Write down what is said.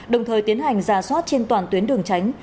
đồng thời tiến hành ra soát trên toàn tuyến đường tránh